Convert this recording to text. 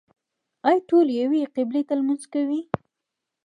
آیا ټول یوې قبلې ته لمونځ کوي؟